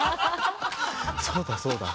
そうだそうだ。